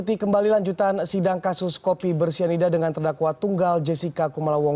sampai jumpa di sampai jumpa